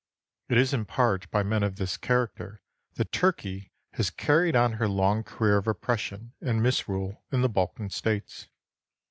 It is in part by men of this character that Turkey has car ried on her long career of oppression and misrule in the Balkan States.